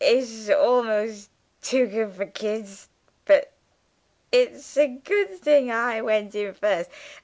It'sh almost too good for kids. But it'sh a good thing I went in first.